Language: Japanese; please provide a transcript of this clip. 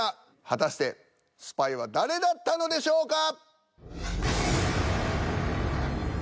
果たしてスパイは誰だったのでしょうか？